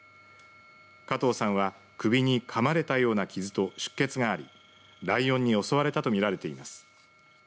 加藤さんは首にかまれたような傷と出血がありライオンに襲われたと見られています。